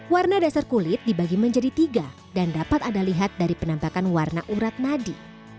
warna dasar kulit dibagi menjadi tiga dan dapat anda lihat dari penampakan warna urat nadi